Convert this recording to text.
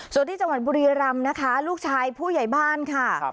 ส่วนที่จังหวัดบุรีรำนะคะลูกชายผู้ใหญ่บ้านค่ะ